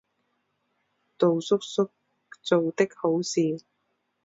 杜叔叔干的好事。